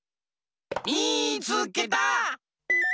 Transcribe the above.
みいつけた！